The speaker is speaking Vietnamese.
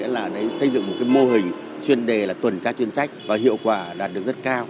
phong trào nghĩa là xây dựng một cái mô hình chuyên đề là tuần tra chuyên trách và hiệu quả đạt được rất cao